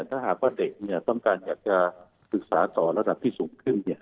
ถ้าหากว่าเด็กต้องการอยากจะศึกษาต่อระดับที่สูงขึ้น